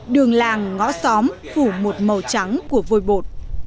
đường làng ngõ xóm phủ một màu trắng của vôi bột